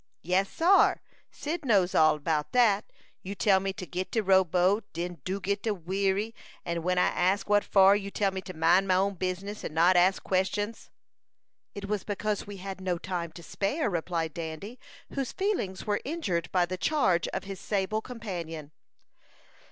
"Yes, sar; Cyd knows all about dat. You tell me to git de row boat; den to git de wherry; and when I ask what for, you tell me to mind my own business, and not ask queshuns." "It was because we had no time to spare," replied Dandy, whose feelings were injured by the charge of his sable companion.